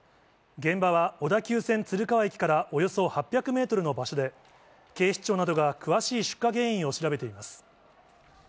現場は小田急線鶴川駅からおよそ８００メートルの場所で、警視庁などが詳しい出火原因を調べています。